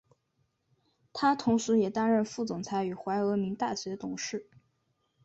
他同时也担任副总裁与怀俄明大学董事。